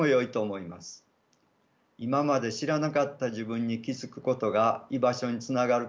今まで知らなかった自分に気付くことが居場所につながるかもしれません。